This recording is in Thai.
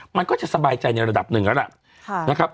มันก็จะสบายใจในระดับหนึ่งแล้ว